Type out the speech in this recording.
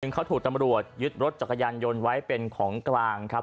เขาถูกตำรวจยึดรถจักรยานยนต์ไว้เป็นของกลางครับ